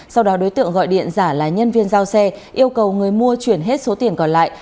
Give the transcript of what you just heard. sau đó đối tượng gọi điện giả là nhân viên giao xe yêu cầu người mua chuyển hết số tiền còn lại